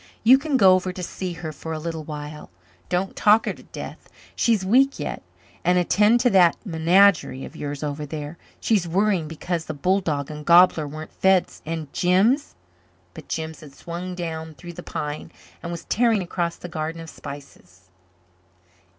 "You can go over to see her for a little while. Don't talk her to death she's weak yet and attend to that menagerie of yours over there she's worrying because the bull dog and gobbler weren't fed and Jims " But Jims had swung down through the pine and was tearing across the Garden of Spices.